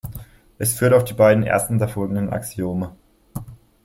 Es führt auf die beiden ersten der folgenden Axiome.